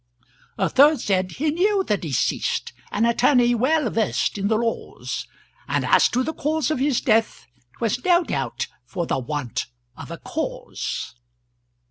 A third said, "He knew the deceased, An attorney well versed in the laws, And as to the cause of his death, 'Twas no doubt for the want of a cause."